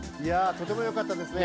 とてもよかったですね。